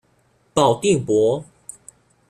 保定伯。